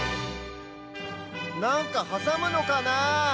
なんかはさむのかなあ？